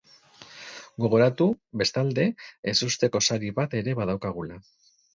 Gogoratu, bestalde, ezusteko sari bat ere badaukagula.